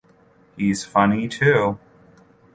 He's funny, too.